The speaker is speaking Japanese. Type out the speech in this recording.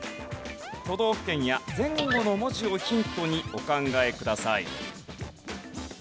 都道府県や前後の文字をヒントにお考えください。